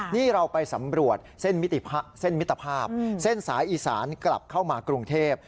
นี่เราไปสำรวจเส้นมิตรภาพเส้นสายอีสานกลับเข้ามากรุงเทพ